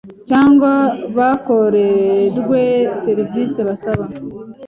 cyangwa bakorerwe serivisi basaba.